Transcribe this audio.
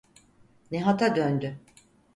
Nihat’a döndü: